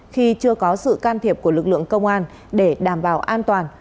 khi chưa có sự can thiệp của lực lượng công an để đảm bảo an toàn